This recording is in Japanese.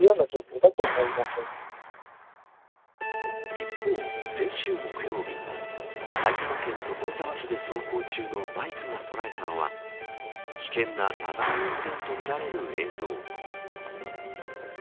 一方、先週木曜日埼玉県、所沢市で走行中のバイクが捉えたのは危険なながら運転とみられる映像。